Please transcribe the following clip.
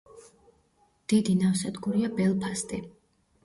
დიდი ნავსადგურია ბელფასტი.